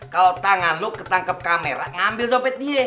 kalau tangan lu ketangkep kamera ngambil dompet dia